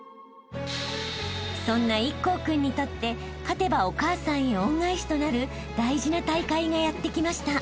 ［そんな壱孔君にとって勝てばお母さんへ恩返しとなる大事な大会がやってきました］